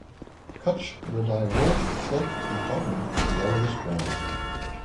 Cutch will dye wool, silk, and cotton a yellowish-brown.